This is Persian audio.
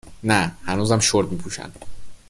نه ، هنوزم شرت می پوشن